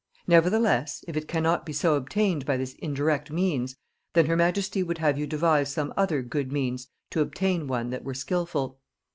Nevertheless, if it cannot be so obtained by this indirect means, then her majesty would have you devise some other good means to obtain one that were skilful.